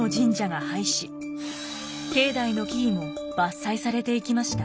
境内の木々も伐採されていきました。